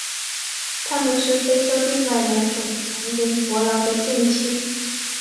它们是非洲另外两种丛林伯劳的近亲。